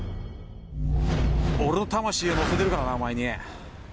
俺の魂を乗せてるからなお前に。